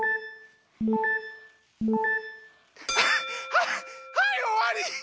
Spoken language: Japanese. はいはいおわり！